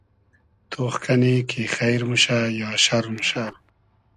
تۉخ کئنی کی خݷر موشۂ یا شئر موشۂ